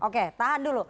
oke tahan dulu